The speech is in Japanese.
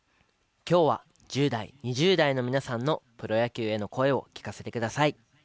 きょうは１０代、２０代の皆さんのプロ野球への声を聴かせてください。